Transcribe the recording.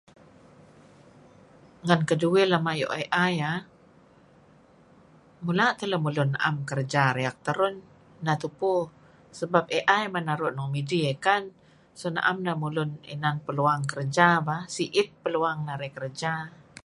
Ngan kaduih lam ayuh II aah mulah tah lamulun naam kerja riak teron nah tupu, sebab AI man naruh nuk midih kan[so] naam nah lamulun inan peluang kerja [ba..] siit peluang narih kerja.